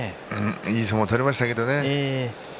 いい相撲を取りましたけどね。